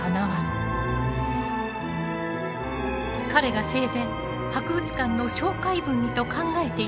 彼が生前博物館の紹介文にと考えていた言葉がある。